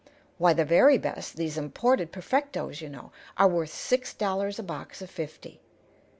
"Why, the very best these imported perfectos, you know are worth six dollars a box of fifty.